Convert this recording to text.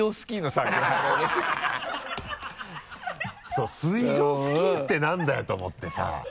そう水上スキーってなんだよ？と思ってさ。